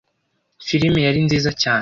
Filime yari nziza cyane.